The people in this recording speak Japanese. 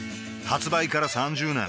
発売から３０年